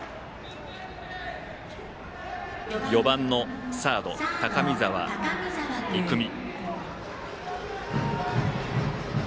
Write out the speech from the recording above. ４番サード、高見澤郁魅。